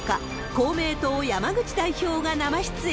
公明党、山口代表が生出演。